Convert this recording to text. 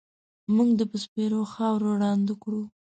مونږ دې په سپېرو خاورو ړانده کړو